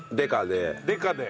デカで。